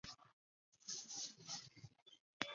北疆锦鸡儿为豆科锦鸡儿属下的一个种。